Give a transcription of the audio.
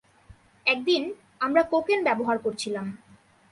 একদিন, আমরা কোকেন ব্যবহার করছিলাম।